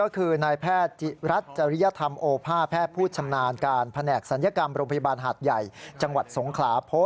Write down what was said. คุณป้าเห็นรูปที่หมอให้แล้วใช่ไหม